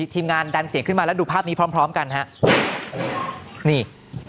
ทีมงานดันเสียงขึ้นมาแล้วดูภาพนี้พร้อมพร้อมกันฮะนี่